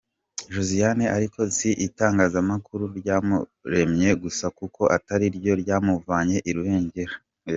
Josiane ariko si itangazamakuru ryamuremye gusa kuko atari ryo ryamuvanye i Rubengera.